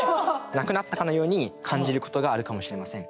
なくなったかのように感じることがあるかもしれません。